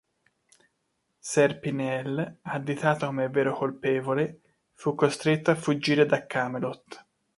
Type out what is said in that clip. Ser Pinel, additato come vero colpevole, fu costretto a fuggire da Camelot.